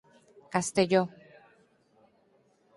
Castelló